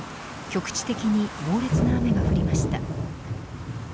局地的に猛烈な雨が降りました。